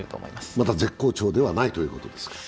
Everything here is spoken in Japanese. まだ絶好調ではないということですか？